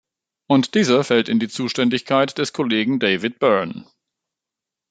Und diese fällt in die Zuständigkeit des Kollegen David Byrne.